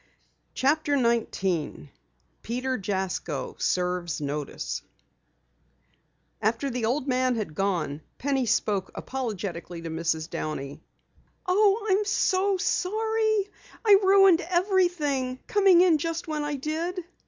CHAPTER 19 PETER JASKO SERVES NOTICE After the old man had gone, Penny spoke apologetically to Mrs. Downey. "Oh, I'm so sorry! I ruined everything, coming in just when I did."